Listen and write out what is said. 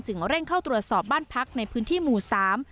เร่งเข้าตรวจสอบบ้านพักในพื้นที่หมู่สาม